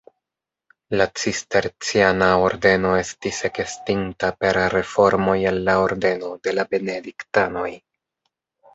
La Cisterciana ordeno estis ekestinta per reformoj el la ordeno de la Benediktanoj.